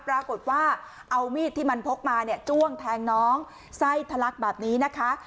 ปรากฏว่าเอามีดที่มันพกมาเนี่ยจ้วงแทงน้องไส้ทะลักแบบนี้นะคะ